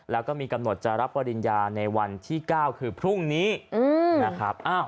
แล้วก็มีกำหนดจะรับปริญญาในวันที่๙คือพรุ่งนี้นะครับ